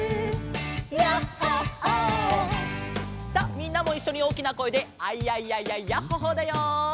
みんなもいっしょにおおきなこえで「アイヤイヤイヤイヤッホ・ホー」だよ。